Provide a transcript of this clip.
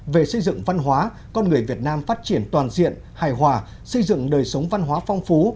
về xây dựng văn hóa con người việt nam phát triển toàn diện hài hòa xây dựng đời sống văn hóa phong phú